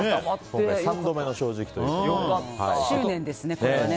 今回３度目の正直ということで。